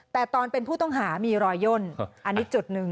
แต่ตอนเป็นผู้ต้องหามีรอยย่นอันนี้จุดหนึ่ง